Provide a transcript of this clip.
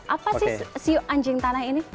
apa sih si anjing tanah ini